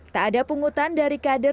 tak ada pungutan dari kader